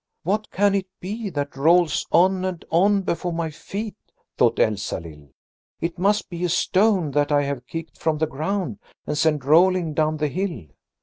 "What can it be that rolls on and on before my feet?" thought Elsalill. "It must be a stone that I have kicked from the ground and sent rolling down the hill."